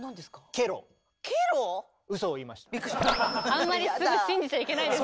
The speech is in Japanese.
あんまりすぐ信じちゃいけないです。